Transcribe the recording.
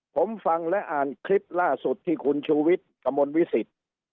ผมฟังและอ่านคลิปล่าสุดที่คุณชูวิทย์กระมวลวิสิต